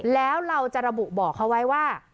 แล้วเราจะระบุบอกเขาไว้ว่า